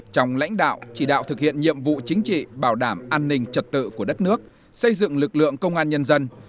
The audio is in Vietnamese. trong lãnh đạo chỉ đạo thực hiện nhiệm vụ chính trị bảo đảm an ninh trật tự của đất nước xây dựng lực lượng công an nhân dân